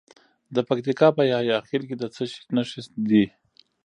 د پکتیکا په یحیی خیل کې د څه شي نښې دي؟